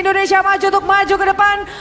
indonesia maju untuk maju ke depan